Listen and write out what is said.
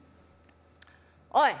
「おい。